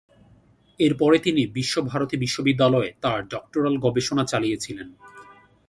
এরপরে তিনি বিশ্বভারতী বিশ্ববিদ্যালয়ে তাঁর ডক্টরাল গবেষণা চালিয়েছিলেন।